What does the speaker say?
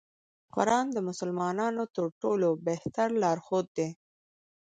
قرآن د مسلمانانو تر ټولو بهتر لار ښود دی.